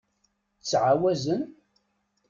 Ttɛawazen?